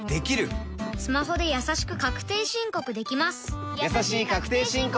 スマホでやさしく確定申告できます